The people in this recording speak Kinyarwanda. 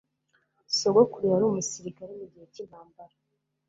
Sogokuru yari umusirikare mugihe cyintambara.